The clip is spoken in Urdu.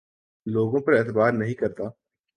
لوگوں پر اعتبار نہیں کرتا